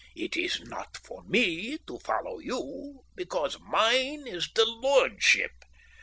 It is not for me to follow you, because mine is the lordship.